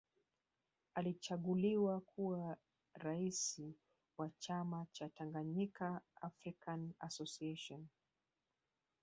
Alichaguliwa kuwa raisi wa chama cha Tanganyika African Association